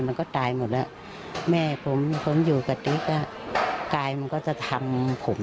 มันก็ตายหมดแล้วแม่ผมผมอยู่กับติ๊กอ่ะกายมันก็จะทำผม